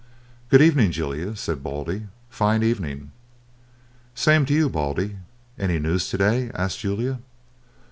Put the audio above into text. "Good evening, Julia," said Baldy; "fine evening." "Same to you, Baldy. Any news to day?" asked Julia.